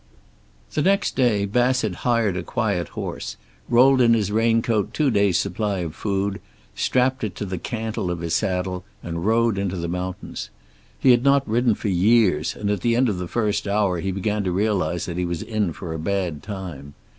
The next day Bassett hired a quiet horse, rolled in his raincoat two days' supply of food, strapped it to the cantle of his saddle, and rode into the mountains. He had not ridden for years, and at the end of the first hour he began to realize that he was in for a bad time.